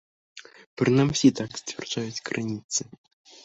Прынамсі, так сцвярджаюць крыніцы.